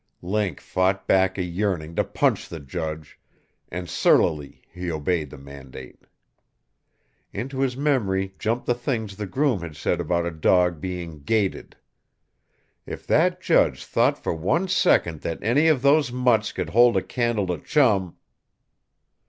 Link fought back a yearning to punch the judge, and surlily he obeyed the mandate. Into his memory jumped the things the groom had said about a dog being "gated." If that judge thought for one second that any of those mutts could hold a candle to Chum